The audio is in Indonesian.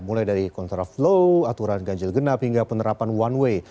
mulai dari kontraflow aturan ganjil genap hingga penerapan one way